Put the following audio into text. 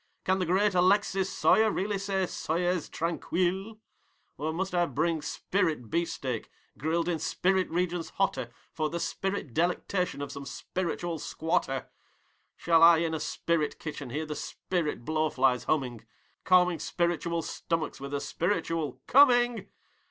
Can the great Alexis Soyer really say 'Soyez tranquille?' Or must I bring spirit beefsteak grilled in spirit regions hotter For the spirit delectation of some spiritual squatter? Shall I in a spirit kitchen hear the spirit blowflies humming, Calming spiritual stomachs with a spiritual 'Coming!'?